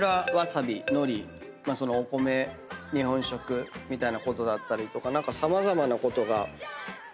お米日本食みたいなことだったりとか何か様々なことが。